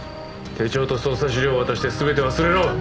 手帳と捜査資料を渡して全て忘れろ！